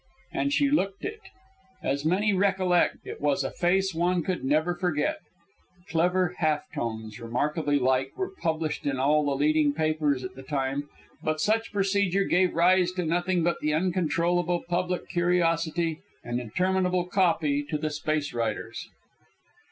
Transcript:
And she looked it. As many recollect, it was a face one could never forget. Clever half tones, remarkably like, were published in all the leading papers at the time; but such procedure gave rise to nothing but the uncontrollable public curiosity and interminable copy to the space writers.